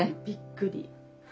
びっくり。